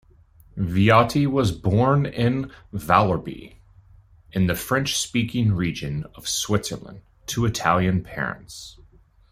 Viotti was born in Vallorbe, in the French-speaking region of Switzerland, to Italian parents.